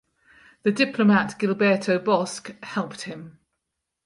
The diplomat Gilberto Bosques helped him.